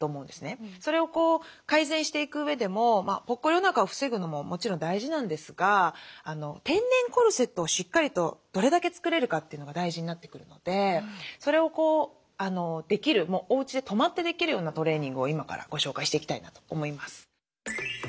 それを改善していくうえでもぽっこりおなかを防ぐのももちろん大事なんですが天然コルセットをしっかりとどれだけ作れるかというのが大事になってくるのでそれをできるおうちで止まってできるようなトレーニングを今からご紹介していきたいなと思います。